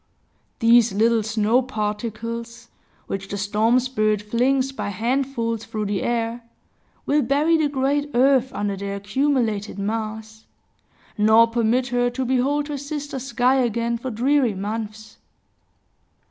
These little snow particles, which the storm spirit flings by handfuls through the air, will bury the great earth under their accumulated mass, nor permit her to behold her sister sky again for dreary months.